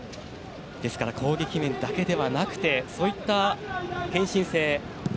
攻撃面だけではなくてそういった献身性。